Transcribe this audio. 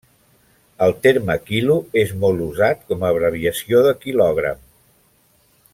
El terme quilo és molt usat com a abreviació de quilogram.